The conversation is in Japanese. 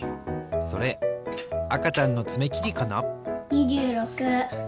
それあかちゃんのつめきりかな？